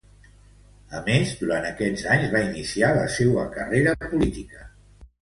A més, durant aquests anys va iniciar la seua carrera política.